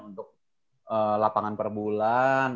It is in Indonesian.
untuk lapangan per bulan